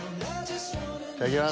いただきます。